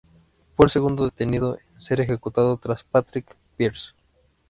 Fue el segundo detenido en ser ejecutado, tras Patrick Pearse.